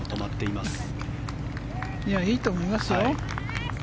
いや、いいと思いますよ。